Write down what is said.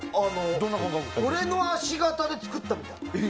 俺の足型で作ったみたい。